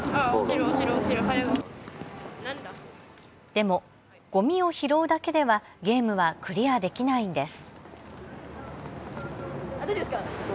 でもごみを拾うだけではゲームはクリアできないんです。